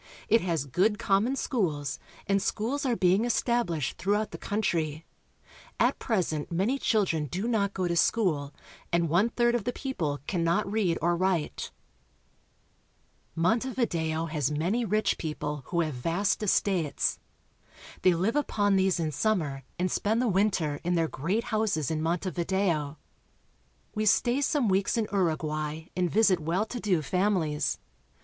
It has good common schools, and schools are being established through out the country. At present many children do not go to school, and one third of the people cannot read or write. Class in a Public School, Montevideo. Montevideo has many rich people who have vast estates. They live upon these in summer and spend the winter in their great houses in Montevideo. We stay some weeks in Uruguay and visit well to do families.